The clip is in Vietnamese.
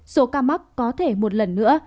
số ca mắc có thể một lần nữa